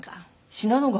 信濃川？